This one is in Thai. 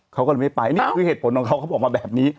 เขาก็เลยไม่ไปนี่คือเหตุผลของเขาเขาบอกมาแบบนี้